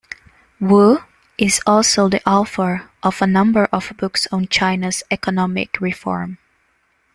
Wu is also the author of a number of books on China's economic reform.